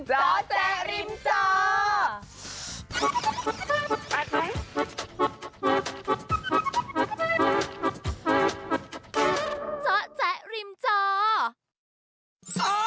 เจ้าแจ๊กริมเจ้า